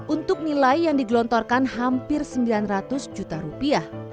untuk nilai yang digelontorkan hampir sembilan ratus juta rupiah